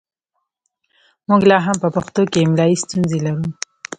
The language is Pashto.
موږ لا هم په پښتو کې املايي ستونزې لرو